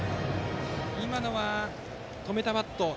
今のは、止めたバットに。